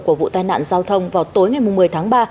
của vụ tai nạn giao thông vào tối ngày một mươi tháng ba